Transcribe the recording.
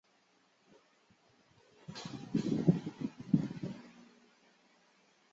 同治六年中举人。